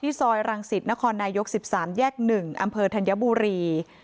ที่ซอยรังสิทธิ์นครนายกสิบสามแยกหนึ่งอำเภอธัญบุรี